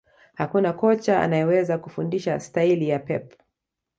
Hakuna kocha anayeweza kufundisha staili ya Pep